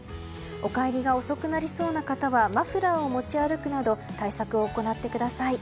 お帰りが遅くなりそうな方はマフラーを持ち歩くなど対策を行ってください。